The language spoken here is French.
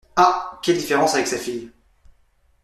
Ah ! quelle différence avec sa fille !